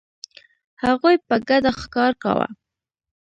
هغوی په ګډه ښکار کاوه.